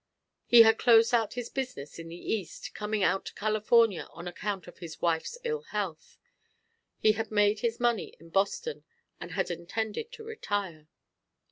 He had closed out his business in the East, coming out to California on account of his wife's ill health. He had made his money in Boston and had intended to retire.